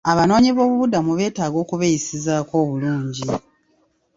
Abanoonyi b'obubuddamu beetaga okubeeyisizzaako obulungi.